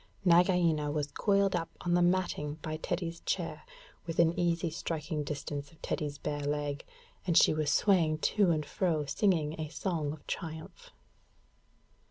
Nagaina was coiled up on the matting by Teddy's chair, within easy striking distance of Teddy's bare leg, and she was swaying to and fro singing a song of triumph.